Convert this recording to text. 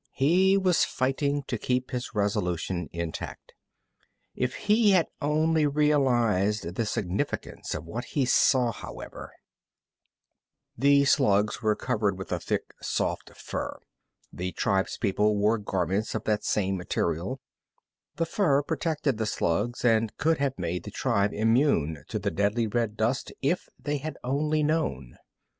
He was fighting to keep his resolution intact. If he had only realized the significance of what he saw, however The slugs were covered with a thick soft fur. The tribespeople wore garments of that same material. The fur protected the slugs, and could have made the tribe immune to the deadly red dust if they had only known.